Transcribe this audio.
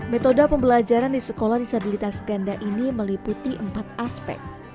metode pembelajaran di sekolah disabilitas ganda ini meliputi empat aspek